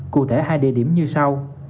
cụ thể hai địa điểm như sau